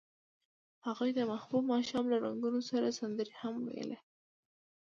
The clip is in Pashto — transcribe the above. هغوی د محبوب ماښام له رنګونو سره سندرې هم ویلې.